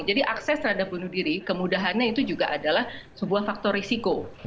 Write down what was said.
jadi akses terhadap bunuh diri kemudahannya itu juga adalah sebuah faktor risiko